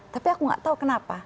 tapi aku gak tahu kenapa